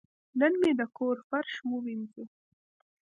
نن مې د کور فرش ووینځه.